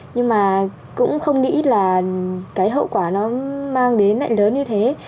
nhưng mà cũng không nghĩ là cái hậu quả nó mang đến lại lớn như thế